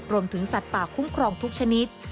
รวมถึงสัตว์ป่าคุ้มครองทุกชนิด